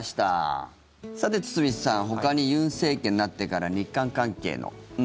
さて、堤さんほかに尹政権になってから日韓関係の。